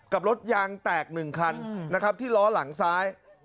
กับรถยางแตก๑คันนะครับที่ล้อหลังซ้าย